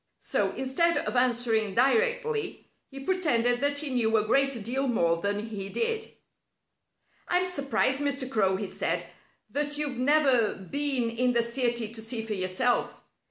So, instead of answering directly, he pretended that he knew a great deal more than he did. "I'm surprised, Mr. Crow," he said, "that you've never been in the city to see for yourself.